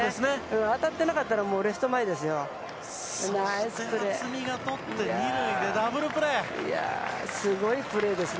当たってなかったら、もうレフト前ですよ。